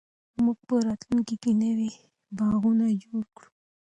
موږ به په راتلونکي کې نوي باغونه جوړ کړو.